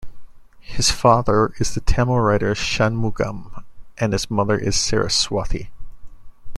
His father is the Tamil writer Shanmugam and his mother is Saraswathi.